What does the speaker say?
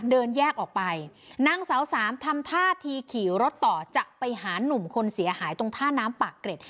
เดินแยกออกไปนางสาวสามทำท่าทีขี่รถต่อจะไปหานุ่มคนเสียหายตรงท่าน้ำปากเกร็ด